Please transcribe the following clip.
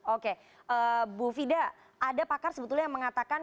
oke bu fida ada pakar sebetulnya yang mengatakan